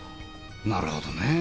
なるほどね。